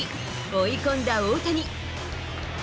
追い込んだ大谷。